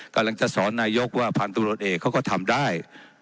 กำลังต้องสอนนายศึกว่าพันธุ์รถเอกเขาก็ทำได้